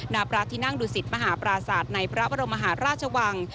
นาปราธินั่งดุสิตมหาปราศาสตร์ในพระบรมหาราชวัง